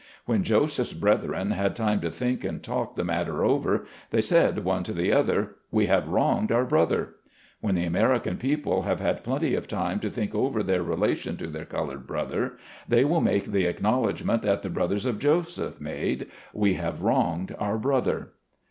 When Joseph's brethren had time to think and talk the matter over, they said one to the other, "We have wronged our brother." When the American people have had plenty of time to think over their relation to their colored brother, they will make the acknowledgment that the brothers of Joseph made —" We have wronged our brother."